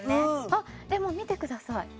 あでも見てください